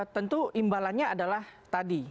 tentu imbalannya adalah tadi